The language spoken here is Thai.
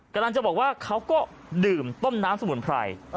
กำลังจะบอกว่าเขาก็ดื่มต้มน้ำสมุนไพร